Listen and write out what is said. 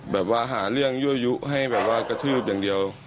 แบบว่าหาเรื่องยั่วยุให้แบบว่ากระทืบอย่างเดียว